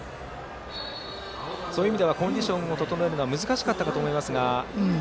そういう意味ではコンディションを整えるのは難しかったかと思いますが。